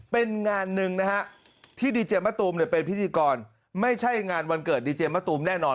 เป็นงานหนึ่งนะฮะที่ดีเจมะตูมเป็นพิธีกรไม่ใช่งานวันเกิดดีเจมะตูมแน่นอน